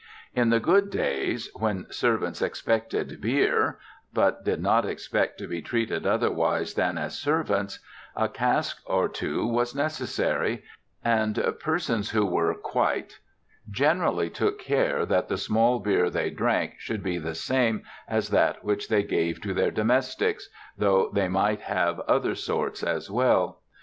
In the good days when servants expected beer, but did not expect to be treated otherwise than as servants, a cask or two was necessary; and persons who were "quite" generally took care that the small beer they drank should be the same as that which they gave to their domestics, though they might have other sorts as well.